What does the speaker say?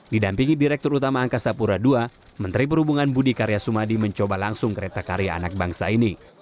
didampingi direktur utama angkasa pura ii menteri perhubungan budi karya sumadi mencoba langsung kereta karya anak bangsa ini